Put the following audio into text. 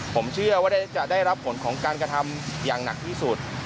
ผมเชื่อว่าจะได้รับผลของการกระทำอย่างหนักที่สุด